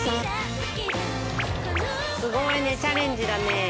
すごいねチャレンジだね。